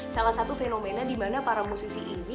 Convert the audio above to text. salah satu fenomena di mana para musisi ini